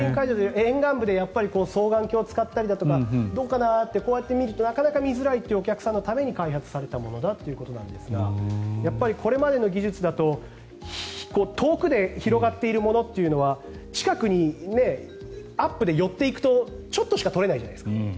沿岸部で双眼鏡を使ったりだとかどうかな？って見るとなかなか見づらいというお客さんのために開発されたということですがやっぱりこれまでの技術だと遠くで広がっているものは近くにアップで寄っていくとちょっとしか撮れないじゃないですか。